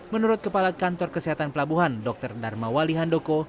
menurut kepala kantor kesehatan pelabuhan dr dharma wali handoko